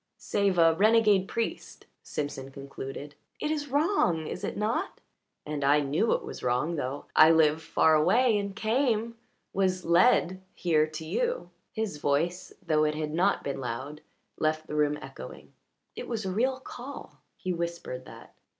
"Save a renegade priest," Simpson concluded. "It is wrong, is it not? And I knew it was wrong, though I live far away and came was led here to you." His voice, though it had not been loud, left the room echoing. "It was a real call." He whispered that.